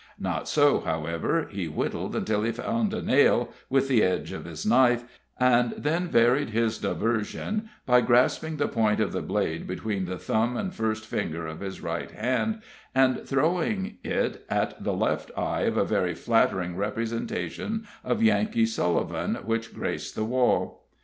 Not so, however; he whittled until he found a nail with the edge of his knife, and then varied his diversion by grasping the point of the blade between the thumb and first finger of his right hand, and throwing it at the left eye of a very flattering representation of Yankee Sullivan which graced the wall.